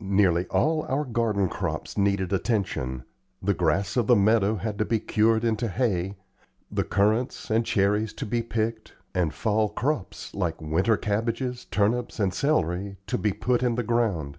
Nearly all our garden crops needed attention; the grass of the meadow had to be cured into hay, the currants and cherries to be picked, and fall crops, like winter cabbages, turnips, and celery, to be put in the ground.